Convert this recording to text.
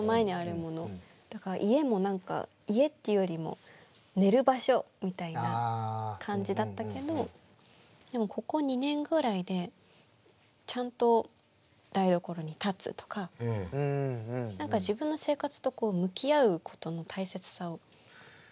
だから家も何か家っていうよりも寝る場所みたいな感じだったけどでもここ２年ぐらいでちゃんと台所に立つとか何か自分の生活とこう向き合うことの大切さを感じて。